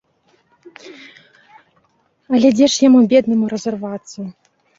Але дзе ж яму беднаму разарвацца.